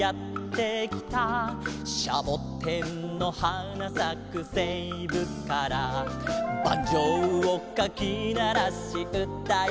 「シャボテンのはなさくせいぶから」「バンジョーをかきならしうたいくる」